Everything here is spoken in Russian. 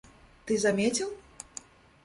Ты заметил?...